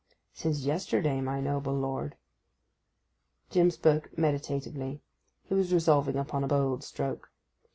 'Since yesterday, my noble lord.' Jim spoke meditatively. He was resolving upon a bold stroke.